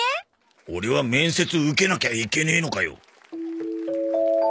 オレは面接受けなきゃいけねえのかよ。